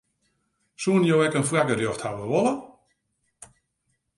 Soenen jo ek in foargerjocht hawwe wolle?